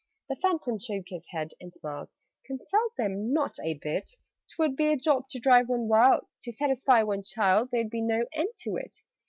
The Phantom shook his head and smiled. "Consult them? Not a bit! 'Twould be a job to drive one wild, To satisfy one single child There'd be no end to it!"